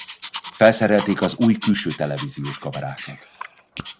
Felszerelték az új külső televíziós kamerákat.